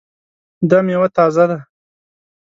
دا میوه تازه ده؟